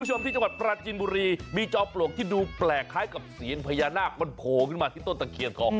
คุณผู้ชมที่จังหวัดปราจินบุรีมีจอมปลวกที่ดูแปลกคล้ายกับเสียญพญานาคมันโผล่ขึ้นมาที่ต้นตะเคียนทอง